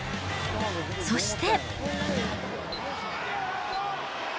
そして。